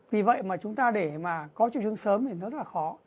vì vậy mà chúng ta để mà có triệu chứng sớm thì nó rất là khó